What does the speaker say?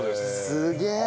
すげえ！